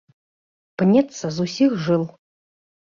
Пнецца з усіх жыл.